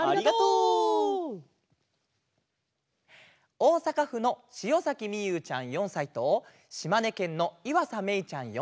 おおさかふのしおさきみゆうちゃん４さいとしまねけんのいわさめいちゃん４さいから。